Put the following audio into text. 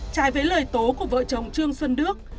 trái với lời tố của vợ chồng trương xuân đức